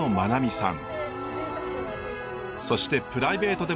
さん。